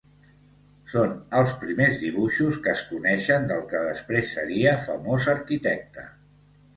Són els primers dibuixos que es coneixen del que després seria famós arquitecte.